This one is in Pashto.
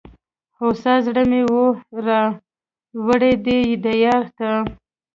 هوسا زړه مي وو را وړﺉ دې دیار ته